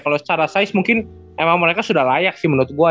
kalau secara size mungkin emang mereka sudah layak sih menurut gue